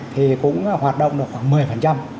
thì cũng hoạt động được khoảng một mươi